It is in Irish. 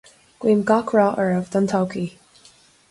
Guím gach rath oraibh don todhchaí